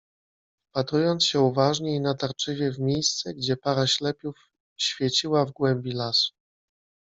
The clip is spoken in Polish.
Wpatrując się uważnie i natarczywie w miejsce, gdzie para ślepiów świeciła w głębi lasu